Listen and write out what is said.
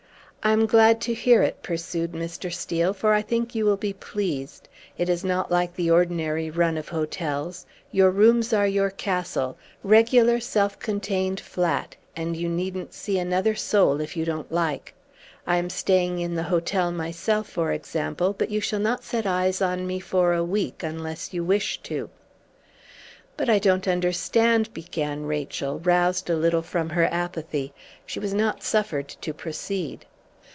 "I'm glad to hear it," pursued Mr. Steel, "for I think you will be pleased. It is not like the ordinary run of hotels. Your rooms are your castle regular self contained flat and you needn't see another soul if you don't like. I am staying in the hotel myself, for example, but you shall not set eyes on me for a week unless you wish to." "But I don't understand," began Rachel, roused a little from her apathy. She was not suffered to proceed.